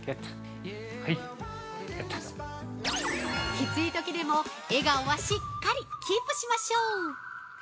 ◆きついときでも笑顔はしっかりキープしましょう。